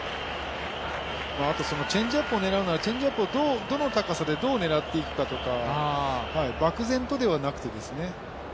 あとチェンジアップを狙うならチェンジアップをどの高さでどう狙っていくかとか漠然とではなくてですね。